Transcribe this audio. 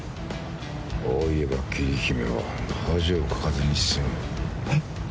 ああ言えば桐姫は恥をかかずに済むえっ